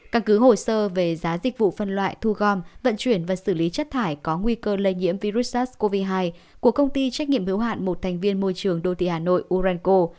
căn cứ hồ sơ về giá dịch vụ phân loại thu gom vận chuyển và xử lý chất thải có nguy cơ lây nhiễm virus sars cov hai của công ty trách nhiệm hữu hạn một thành viên môi trường đô thị hà nội urenco